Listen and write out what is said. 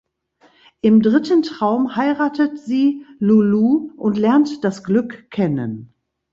Im dritten Traum heiratet sie Loulou und lernt das Glück kennen.